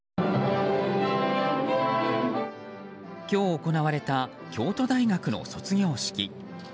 今日行われた京都大学の卒業式。